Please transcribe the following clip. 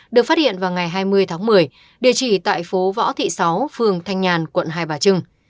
được phát hiện vào ngày hai mươi tháng một mươi địa chỉ tại phố võ thị sáu phường thanh nhàn quận hai bà trưng